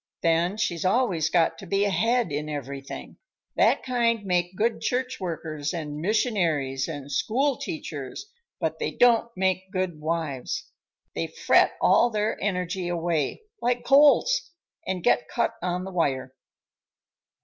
Then she's always got to be ahead in everything. That kind make good church workers and missionaries and school teachers, but they don't make good wives. They fret all their energy away, like colts, and get cut on the wire."